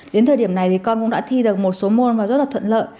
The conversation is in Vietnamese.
đến thời điểm này thì con cũng đã thi được một số môn và rất là thuận lợi